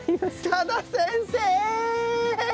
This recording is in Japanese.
多田先生！